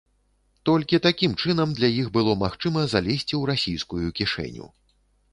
Толькі такім чынам для іх было магчыма залезці ў расійскую кішэню.